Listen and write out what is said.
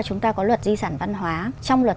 chúng ta có luật di sản văn hóa trong luật